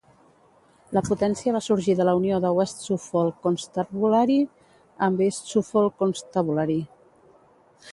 La potència va sorgir de la unió de West Suffolk Constabulary amb East Suffolk Constabulary.